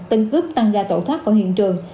tình cướp tăng ra tổ thoát khỏi hiện trường